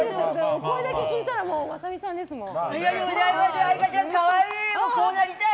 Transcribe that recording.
お声だけ聞いたら雅美さんですもん。